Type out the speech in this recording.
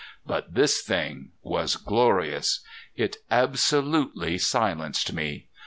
But this thing was glorious. It absolutely silenced me.